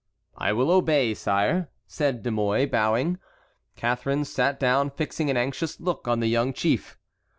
"I will obey, sire," said De Mouy, bowing. Catharine sat down, fixing an anxious look on the young chief.